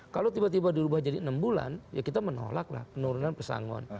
kalau tiba tiba dirubah jadi enam bulan ya kita menolak lah penurunan pesangon